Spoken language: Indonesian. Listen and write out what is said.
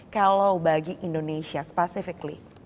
kalau bagi indonesia secara spesifik